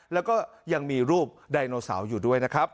แล้วก็ยังมีรูปไดโนเสาร์อยู่ด้วยนะครับ